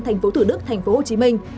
thành phố thủ đức thành phố hồ chí minh